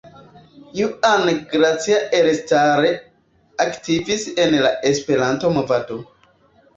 Juan Gracia elstare aktivis en la Esperanto movado.